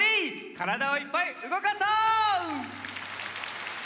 からだをいっぱいうごかそう！